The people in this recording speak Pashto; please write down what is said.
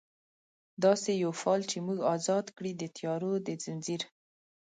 داسي یو فال چې موږ ازاد کړي، د تیارو د ځنځیر